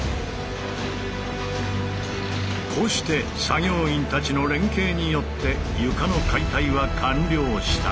こうして作業員たちの連携によって床の解体は完了した。